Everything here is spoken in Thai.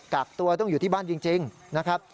กักตัวต้องอยู่ที่บ้านจริงนะครับ